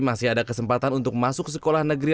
masih ada kesempatan untuk masuk sekolah negeri